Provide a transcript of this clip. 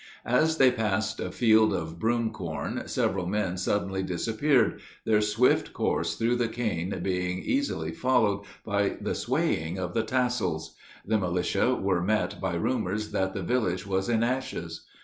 As they passed a field of broom corn several men suddenly disappeared, their swift course through the cane being easily followed by the swaying of the tassels. The militia were met by rumors that the village was in ashes.